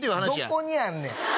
どこにあんねん？